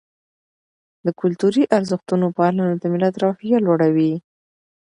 د کلتوري ارزښتونو پالنه د ملت روحیه لوړوي.